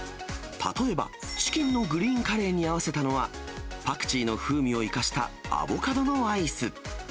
例えばチキンのグリーンカレーに合わせたのは、パクチーの風味を生かしたアボカドのアイス。